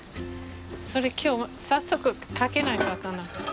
それ今日早速書かないとあかんな。